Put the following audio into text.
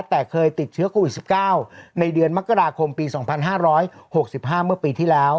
แต่เคยติดเชื้อโควิด๑๙ในเดือนมกราคมปี๒๕๖๕เมื่อปีที่แล้ว